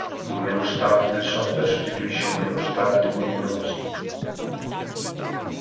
Il menu Start del software sostituisce il menu Start di Windows.